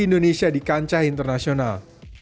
indonesia di kancah internasional